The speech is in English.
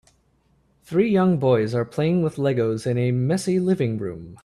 Three young boys are playing with Legos in a messy living room.